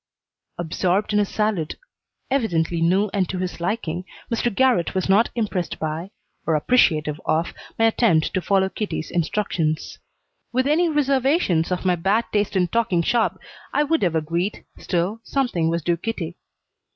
Absorbed in his salad, evidently new and to his liking, Mr. Garrott was not impressed by, or appreciative of, my attempt to follow Kitty's instructions. With any reservations of my bad taste in talking shop I would have agreed, still, something was due Kitty.